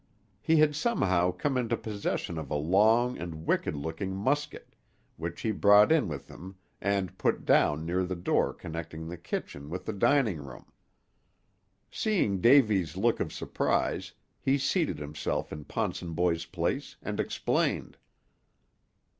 He had somehow come into possession of a long and wicked looking musket, which he brought in with him, and put down near the door connecting the kitchen with the dining room. Seeing Davy's look of surprise, he seated himself in Ponsonboy's place, and explained.